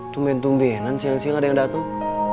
tumben tumbenan siang siang ada yang dateng